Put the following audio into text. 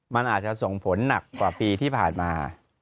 มันอาจจะส่งผลหนักกว่าปีที่ผ่านมา